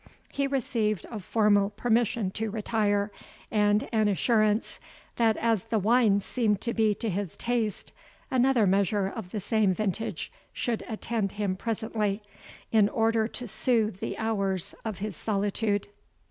He received a formal permission to retire, and an assurance, that as the wine seemed to be to his taste, another measure of the same vintage should attend him presently, in order to soothe the hours of his solitude.